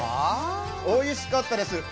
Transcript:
おいしかったです。